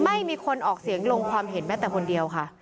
ไม่มีคนออกเสียงลงความเห็นแม้แต่คนเดียวค่ะ